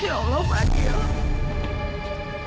ya allah fadil